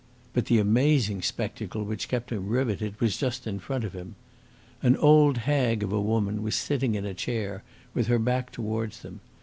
But the amazing spectacle which kept him riveted was just in front of him. An old hag of a woman was sitting in a chair with her back towards them.